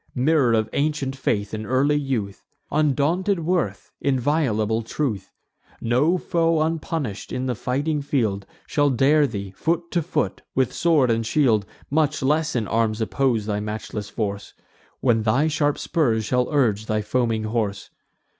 Mirror of ancient faith in early youth! Undaunted worth, inviolable truth! No foe, unpunish'd, in the fighting field Shall dare thee, foot to foot, with sword and shield; Much less in arms oppose thy matchless force, When thy sharp spurs shall urge thy foaming horse.